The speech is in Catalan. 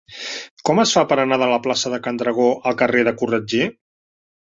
Com es fa per anar de la plaça de Can Dragó al carrer de Corretger?